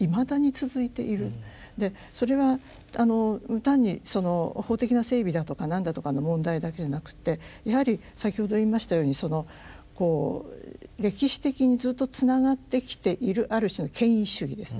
でそれは単に法的な整備だとか何だとかの問題だけじゃなくてやはり先ほど言いましたようにそのこう歴史的にずっとつながってきているある種の権威主義ですね